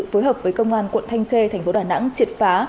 phối hợp với công an quận thanh khê thành phố đà nẵng triệt phá